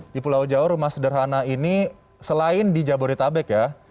di pulau jawa rumah sederhana ini selain di jabodetabek ya